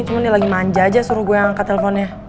cuma dia lagi manja aja suruh gue angkat teleponnya